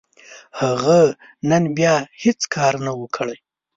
هغه نن بيا هيڅ کار نه و، کړی.